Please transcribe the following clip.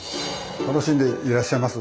楽しんでいらっしゃいます？